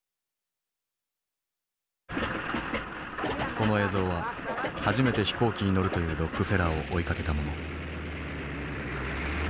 この映像は初めて飛行機に乗るというロックフェラーを追いかけたもの。